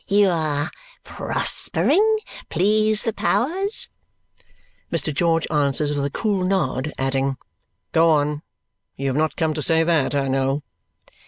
"You are prospering, please the Powers?" Mr. George answers with a cool nod, adding, "Go on. You have not come to say that, I know."